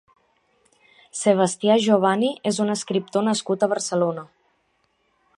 Sebastià Jovani és un escriptor nascut a Barcelona.